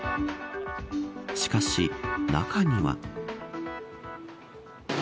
しかし、中には。